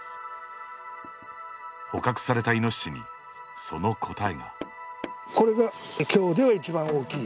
捕獲されたイノシシにその答えが。